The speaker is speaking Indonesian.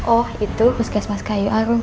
oh itu puskesmas kayu arum